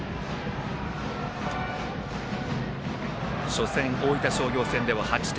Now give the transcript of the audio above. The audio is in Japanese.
初戦、大分商業戦では８点。